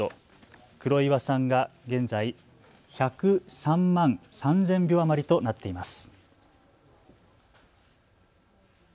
黒岩さんが現在、１０３万３０００票余りとなっています。